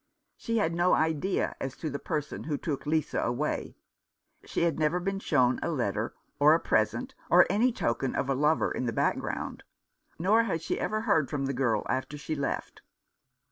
She had no idea as to the person who took Lisa away — she had never been shown a letter or a present, or any token of a lover in the background — nor had she ever heard from the girl after she left.